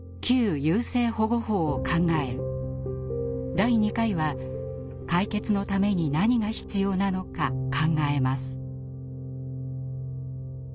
第２回は解決のために何が必要なのか考えます。